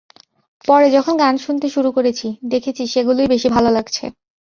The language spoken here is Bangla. পরে যখন গান শুনতে শুরু করেছি, দেখেছি সেগুলোই বেশি ভালো লাগছে।